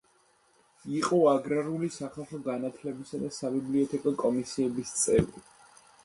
იყო აგრარული, სახალხო განათლებისა და საბიბლიოთეკო კომისიების წევრი.